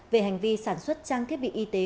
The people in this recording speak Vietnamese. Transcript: về hành vi sản xuất trang thiết bị y tế